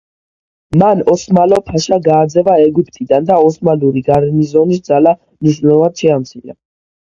მან ოსმალო ფაშა გააძევა ეგვიპტიდან და ოსმალური გარნიზონის ძალა მნიშვნელოვნად შეამცირა.